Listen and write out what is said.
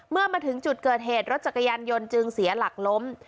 เมื่อมาถึงจุดเกิดเหตุรถจักรยานยนต์จึงเสียหลักล้ม